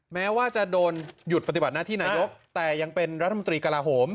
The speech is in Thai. แม้ว่าจะโดนหยุดปฏิบัติหน้าที่นายกแต่ยังเป็นรัฐมนตรีกระลาโหม